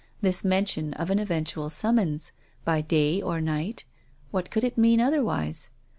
This mention of an eventual summons, " by day or night." What could it mean otherwise?